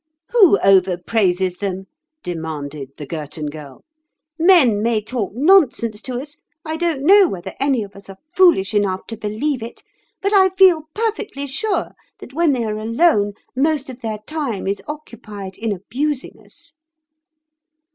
"Who overpraises them?" demanded the Girton Girl. "Men may talk nonsense to us—I don't know whether any of us are foolish enough to believe it—but I feel perfectly sure that when they are alone most of their time is occupied in abusing us."